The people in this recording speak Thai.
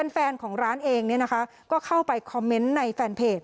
แฟนของร้านเองก็เข้าไปคอมเมนต์ในแฟนเพจ